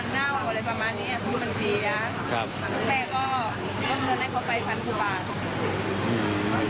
ถ้าไม่ไปขอกลับมาส่งผม